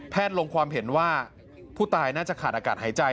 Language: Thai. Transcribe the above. ลงความเห็นว่าผู้ตายน่าจะขาดอากาศหายใจ